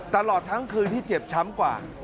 ตลอดทั้งคืนที่เจ็บช้ำกว่า